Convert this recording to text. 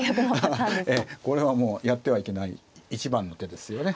ええこれはもうやってはいけない一番の手ですよね。